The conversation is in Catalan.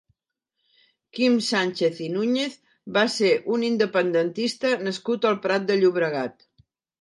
Quim Sànchez i Núñez va ser un independentista nascut al Prat de Llobregat.